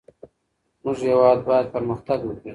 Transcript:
زمونږ هیواد باید پرمختګ وکړي.